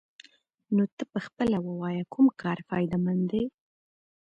نو ته پخپله ووايه كوم كار فايده مند دې؟